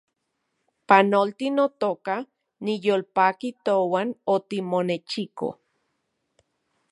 Panolti, notoka , niyolpaki touan otimonechiko